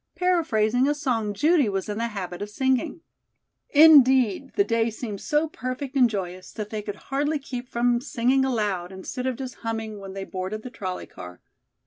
paraphrasing a song Judy was in the habit of singing. Indeed the day seemed so perfect and joyous that they could hardly keep from singing aloud instead of just humming when they boarded the trolley car.